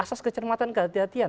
asas kecermatan kehatian